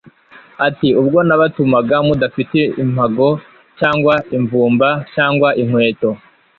ati: "Ubwo nabatumaga mudafite impago cyangwa imvumba cyangwa inkweto,